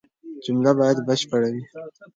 جمله بايد بشپړه وي.